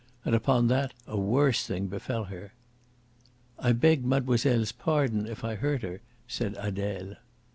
And upon that a worse thing befell her. "I beg mademoiselle's pardon if I hurt her," said Adele.